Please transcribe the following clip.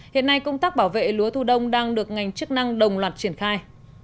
hiện nay công tác bảo vệ lúa thu đông đang được ngành chức năng đồng loạt triển khai